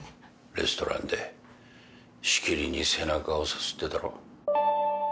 レストランでしきりに背中をさすってたろ？